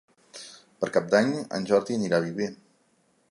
Per Cap d'Any en Jordi anirà a Viver.